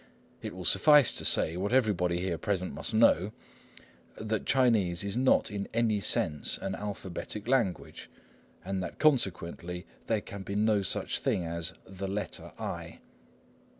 It will suffice to say, what everybody here present must know, that Chinese is not in any sense an alphabetic language, and that consequently there can be no such thing as "the letter I."